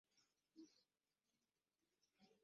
এই, নাম বলছি!